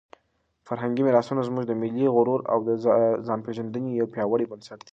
فرهنګي میراثونه زموږ د ملي غرور او د ځانپېژندنې یو پیاوړی بنسټ دی.